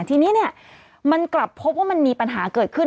ทีนี้เนี่ยมันกลับพบว่ามันมีปัญหาเกิดขึ้น